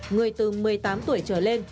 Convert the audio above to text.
người từ một mươi tám tuổi trở lên